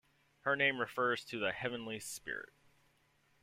Her name refers to the Heavenly Spirit.